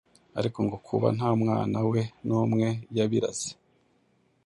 ariko ngo kuba nta mwana we n’umwe yabiraze